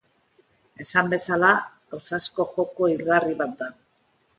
Esan bezala, ausazko joko hilgarri bat da.